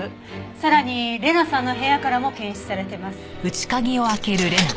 さらに礼菜さんの部屋からも検出されてます。